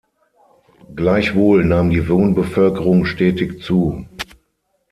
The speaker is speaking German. Gleichwohl nahm die Wohnbevölkerung stetig zu.